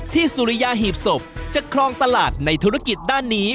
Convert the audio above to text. สุริยาหีบศพจะครองตลาดในธุรกิจด้านนี้